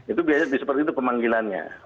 itu biasanya seperti itu pemanggilannya